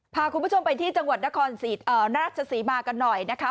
พาคุณผู้ชมไปที่จังหวัดนครราชศรีมากันหน่อยนะคะ